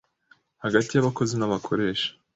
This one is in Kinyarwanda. hagati y’abakozi n’abakoresha